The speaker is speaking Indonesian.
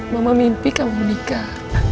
mama mimpi kamu menikah